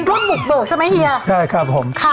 รุ่นหมุกโหดใช่ไหมเฮีย